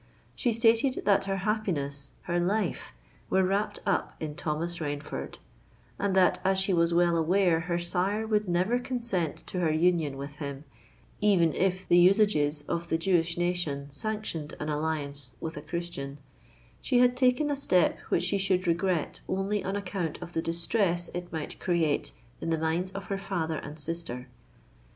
She stated that her happiness—her life were wrapped up in Thomas Rainford: and that as she was well aware her sire would never consent to her union with him, even if the usages of the Jewish nation sanctioned an alliance with a Christian, she had taken a step which she should regret only on account of the distress it might create in the minds of her father and sister.